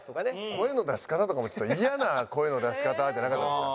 声の出し方とかもちょっとイヤな声の出し方じゃなかったですか？